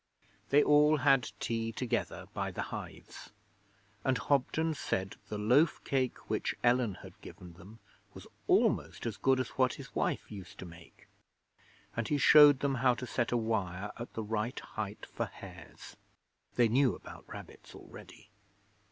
They all had tea together by the hives, and Hobden said the loaf cake which Ellen had given them was almost as good as what his wife used to make, and he showed them how to set a wire at the right height for hares. They knew about rabbits already.